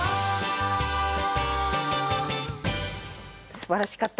すばらしかった。